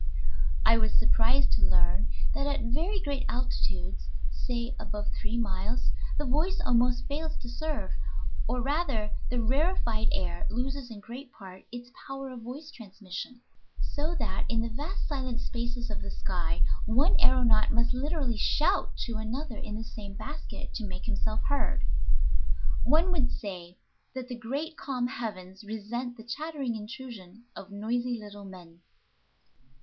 I was surprised to learn that at very great altitudes, say above three miles, the voice almost fails to serve, or, rather, the rarefied air loses in great part its power of voice transmission, so that in the vast silent spaces of the sky one aëronaut must literally shout to another in the same basket to make himself heard. One would say that the great, calm heavens resent the chattering intrusion of noisy little men.